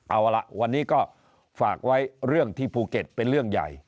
เอาล่ะวันนี้ก็ฝากไว้เรื่องที่ภูเก็ตเป็นเรื่องใหญ่